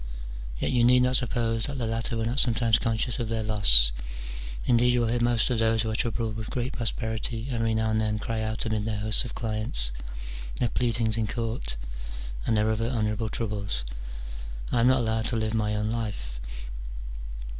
Yet you need not suppose that the latter were not sometimes conscious of their loss : indeed, you will hear most of those who are troubled with great prosperity every now and then cry out amid their hosts of clients, their pleadings in court, and their other honourable troubles, " I am not allowed to live my own life."